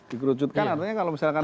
dikerucutkan artinya kalau misalkan